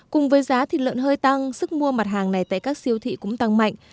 cùng với giá thịt lợn hơi tăng sức mua mặt hàng này tại các siêu thị cũng tăng mạnh